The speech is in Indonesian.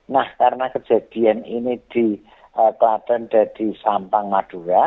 nah karena kejadian ini di klaten dan di sampang madura